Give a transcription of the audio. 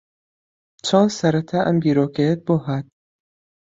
چۆن سەرەتا ئەم بیرۆکەیەت بۆ ھات؟